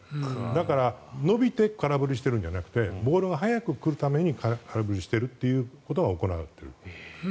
だから、伸びて空振りしてるんじゃなくてボールが早く来るために空振りしていることが行われている。